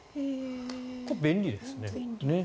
これ、便利ですね。